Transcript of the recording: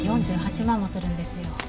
４８万もするんですよ。